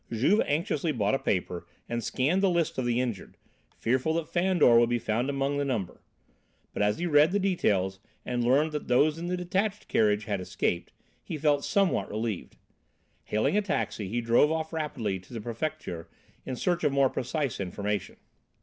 Juve anxiously bought a paper and scanned the list of the injured, fearful that Fandor would be found among the number. But as he read the details and learned that those in the detached carriage had escaped, he felt somewhat relieved. Hailing a taxi he drove off rapidly to the Prefecture in search of more precise information.